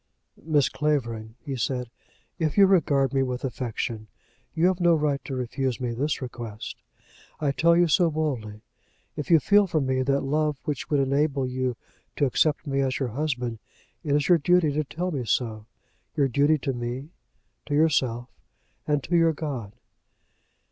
"Miss Clavering," he said, "if you regard me with affection, you have no right to refuse me this request. I tell you so boldly. If you feel for me that love which would enable you to accept me as your husband, it is your duty to tell me so, your duty to me, to yourself, and to your God."